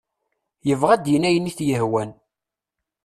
Yebɣa ad d-yini ayen t-yehwan.